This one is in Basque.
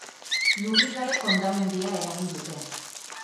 Lurrikarek hondamendia eragin dute.